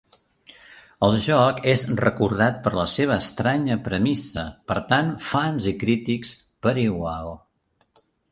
El joc és recordat per la seva estranya premissa per tant fans i crítics per igual.